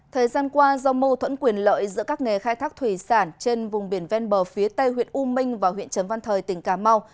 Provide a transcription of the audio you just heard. thời gian qua do mâu thuẫn quyền lợi giữa các nghề khai thác thủy sản trên vùng biển ven bờ phía tây huyện u minh và huyện trấn văn thời tỉnh cà mau